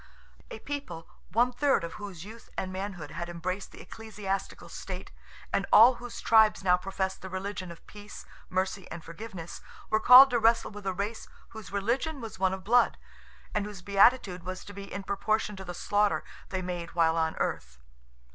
A people, one third of whose youth and manhood had embraced the ecclesiastical state, and all whose tribes now professed the religion of peace, mercy, and forgiveness, were called to wrestle with a race whose religion was one of blood, and whose beatitude was to be in proportion to the slaughter they made while on earth.